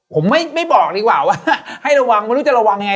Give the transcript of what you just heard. ผมไม่บอกดีกว่าว่าให้ระวังไม่รู้จะระวังยังไง